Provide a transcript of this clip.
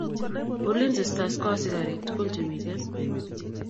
Ulinzi stars ko asikarik tugul che miten